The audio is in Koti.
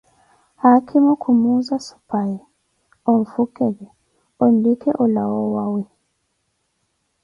Haakhimo kumuunza suphayi, mfukyle, onlike alawe owawe.